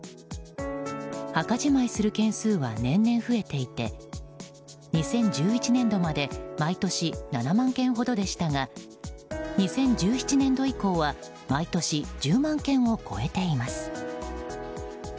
墓じまいする件数は年々、増えていて２０１１年度まで毎年７万件ほどでしたが２０１７年度以降は毎年１０万件を超えています。